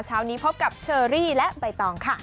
เช้านี้พบกับเชอรี่และใบตองค่ะ